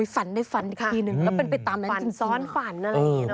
ฝันได้ฝันทีหนึ่งแล้วเป็นไปตามนั้นจริงหรอฝันฝันฝันอะไรอย่างนี้เนอะ